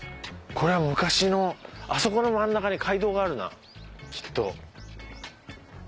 これは昔のあそこの真ん中に街道があるなきっと。